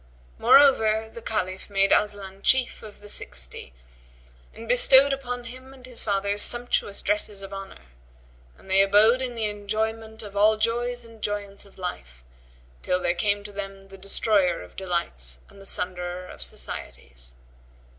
Moreover, the Caliph made Aslan Chief of the Sixty and bestowed upon him and his father sumptuous dresses of honour; and they abode in the enjoyment of all joys and joyance of life, till there came to them the Destroyer of delights and the Sunderer of societies.